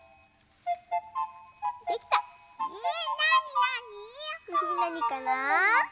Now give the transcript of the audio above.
なにかな？